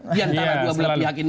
di antara dua belah pihak ini